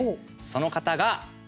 その方が。